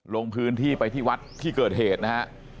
ลงพื้นที่ไปที่วัดที่เกิดเหตุนะฮะ